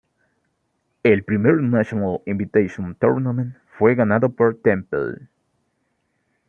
El primer National Invitation Tournament fue ganado por Temple.